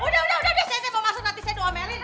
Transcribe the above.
udah udah udah saya mau masuk nanti saya doa melin